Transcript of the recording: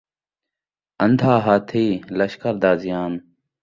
اندھا ہاتھی ، لشکر دا زیان